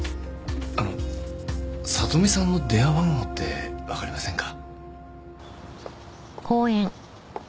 あのさとみさんの電話番号ってわかりませんか？